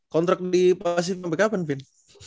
kontrak di pacific sampe kapan vin